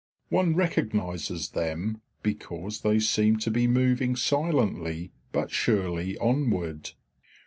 One recognises them because they seem to be moving silently but surely onward.